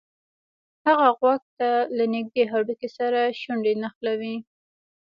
هغه غوږ ته له نږدې هډوکي سره شونډې نښلولې